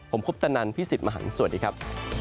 ผมคุปตนันพี่สิทธิ์มหันฯสวัสดีครับ